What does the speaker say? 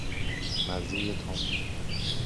مزهی تند